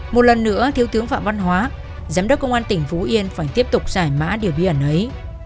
một lần nữa thiếu tướng phạm văn hóa giám đốc công an tỉnh phú yên phải tiếp tục giải mã điều bí ẩn ấy